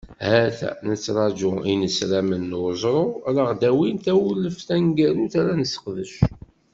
Ha-t-a nettraǧu inesramen n uẓru, ad aɣ-d-awin tawleft taneggarut ara nesqerdec.